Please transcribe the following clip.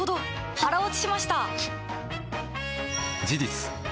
腹落ちしました！